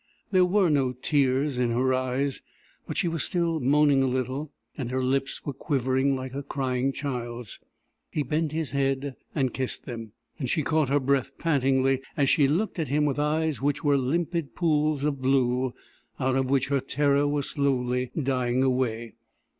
There were no tears in her eyes, but she was still moaning a little, and her lips were quivering like a crying child's. He bent his head and kissed them, and she caught her breath pantingly as she looked at him with eyes which were limpid pools of blue out of which her terror was slowly dying away.